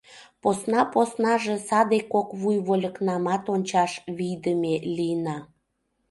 Посна-поснаже саде кок вуй вольыкнамат ончаш вийдыме лийна.